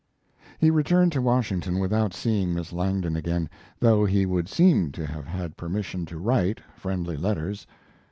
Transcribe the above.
He returned to Washington without seeing Miss Langdon again, though he would seem to have had permission to write friendly letters.